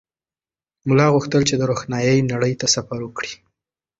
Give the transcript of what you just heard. ملا غوښتل چې د روښنایۍ نړۍ ته سفر وکړي.